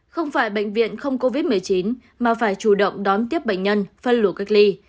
không phải bệnh viện không covid một mươi chín mà phải chủ động đón tiếp bệnh nhân phân luồng cách ly